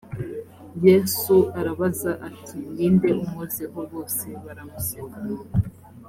yesu arabaza ati ni nde unkozeho bose baramuseka